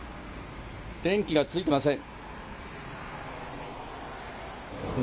電気がついていません。